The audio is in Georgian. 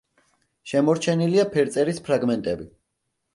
შემორჩენილია ფერწერის ფრაგმენტები.